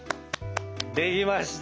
できました！